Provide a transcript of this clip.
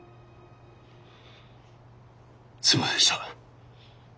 すいませんでした。